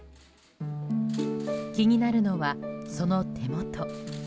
気になるのは、その手元。